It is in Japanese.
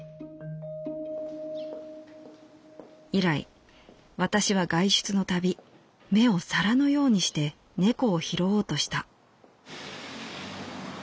「以来私は外出のたび目を皿のようにして猫を拾おうとした」。